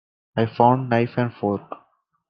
I found knife and fork.